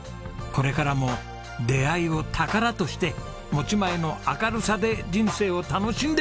これからも出会いを宝として持ち前の明るさで人生を楽しんでください。